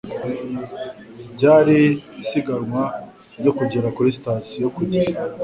Byari isiganwa ryo kugera kuri sitasiyo ku gihe